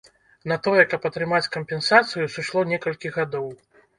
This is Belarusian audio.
На тое, каб атрымаць кампенсацыю, сышло некалькі гадоў.